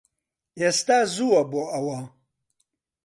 ئێستا زووە بۆ ئەوە